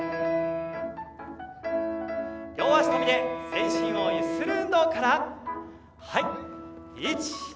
両足跳びで全身を揺する運動から。